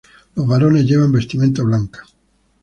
Los varones llevan vestimenta blanca.